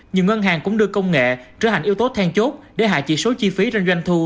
nhiều ngân hàng cũng đưa công nghệ trở thành yếu tố then chốt để hạ chỉ số chi phí trên doanh thu